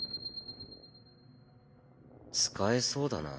使えそうだな